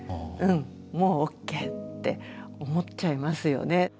もうＯＫって思っちゃいますよね。